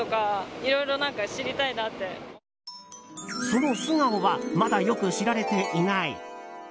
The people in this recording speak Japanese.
その素顔はまだよく知られていない。